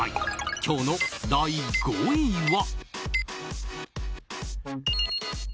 今日の第５位は。